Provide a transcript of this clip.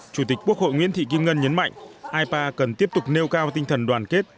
chủ tịch quốc hội nguyễn thị kim ngân nhấn mạnh ipa cần tiếp tục nêu cao tinh thần đoàn kết